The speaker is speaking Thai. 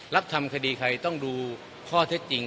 รับทำคดีใครต้องดูข้อเท็จจริง